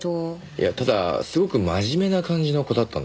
いやただすごく真面目な感じの子だったんです。